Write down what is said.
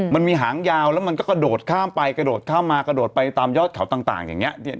มันมีหางยาวแล้วมันก็กระโดดข้ามไปกระโดดข้ามมากระโดดไปตามยอดเขาต่างอย่างนี้